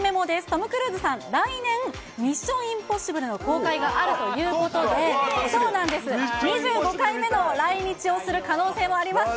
トム・クルーズさん、来年、ミッション：インポッシブルの公開があるということで、そうなんです、２５回目の来日をする可能性もあります。